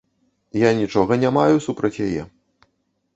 Я нічога не маю супраць яе.